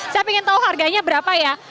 saya ingin tahu harganya berapa ya